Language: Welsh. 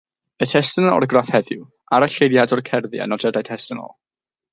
Y testun yn orgraff heddiw, aralleiriad o'r cerddi a nodiadau testunol.